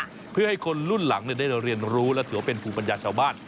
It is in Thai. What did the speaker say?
เพื่อให้คนรุ่นหลังได้เรียนรู้และถือว่าเป็นภูมิปัญญาชาวบ้าน